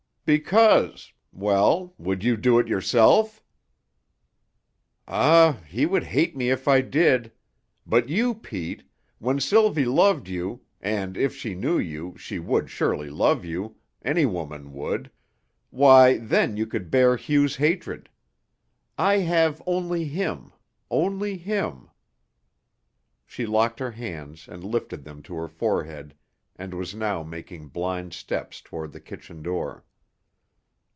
"Because well, would you do it yourself?" "Ah! He would hate me, if I did. But you, Pete, when Sylvie loved you and if she knew you, she would surely love you; any woman would why, then you could bear Hugh's hatred. I have only him only him." She locked her hands and lifted them to her forehead and was now making blind steps toward the kitchen door.